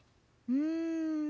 うん。